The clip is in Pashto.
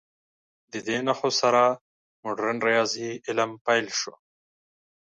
د دې نښو سره مډرن ریاضي علم پیل شو.